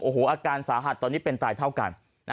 โอ้โหอาการสาหัสตอนนี้เป็นตายเท่ากัน